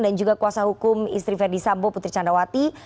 dan juga kuasa hukum istri ferdisambo putri candrawati